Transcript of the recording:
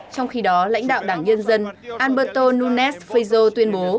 trong khi đó lãnh đạo đảng nhân dân alberto nunes feijo tuyên bố